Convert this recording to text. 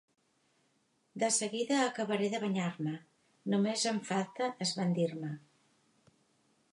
De seguida acabaré de banyar-me, només em falta esbandir-me.